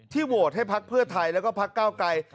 โหวตให้พักเพื่อไทยแล้วก็พักเก้าไกร